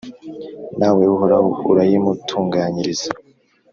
nawe Uhoraho, urayimutunganyiriza.